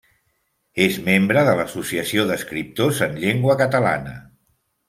És membre de l'Associació d'Escriptors en Llengua Catalana.